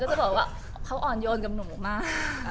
จะบอกว่าเขาอ่อนโยนกับหนูมาก